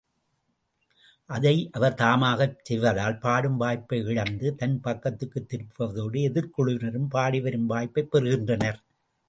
அதை அவர் தாமதமாகச் செய்தால், பாடும் வாய்ப்பை இழந்து, தன் பக்கத்துக்குத் திரும்புவதோடு எதிர்க்குழுவினரும் பாடிவரும் வாய்ப்பைப் பெறுகின்றனர்.